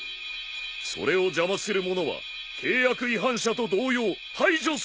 それを邪魔する者は契約違反者と同様排除するまで！